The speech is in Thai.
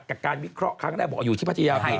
การวิเคราะห์ครั้งแรกบอกอยู่ที่พัทยาบี